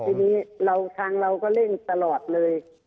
ทีนี้ทางเราก็เร่งตลอดเลย